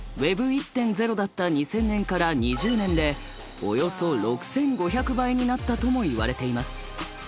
Ｗｅｂ１．０だった２０００年から２０年でおよそ６，５００倍になったともいわれています。